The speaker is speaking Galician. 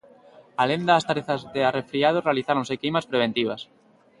Alén das tarefas de arrefriado, realizáronse queimas preventivas.